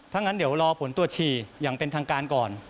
ถ้างั้นเดี๋ยวรอผลตรวจฉี่อย่างเป็นทางการก่อน